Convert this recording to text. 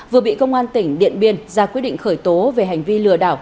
vừa bị công an tỉnh điện biên ra quyết định khởi tố về hành vi lừa đảo